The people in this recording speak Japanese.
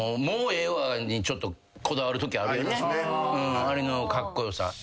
あれのカッコ良さ。